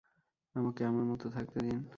আমাকে আমার মতো থাকতে দিন।